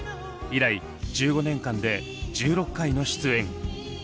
以来１５年間で１６回の出演。